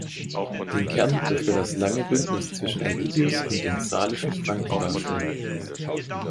Den Kern dürfte das lange Bündnis zwischen Aegidius und den salischen Franken darstellen.